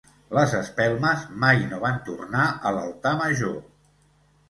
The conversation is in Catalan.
Les espelmes mai no van tornar a l'altar major.